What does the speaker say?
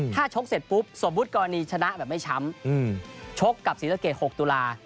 ถ้าชกเสร็จปุ๊บสมมุติกรณีชนะแบบไม่ช้ำชกกับศรีสะเกด๖ตุลา